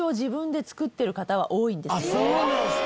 あっそうなんですか。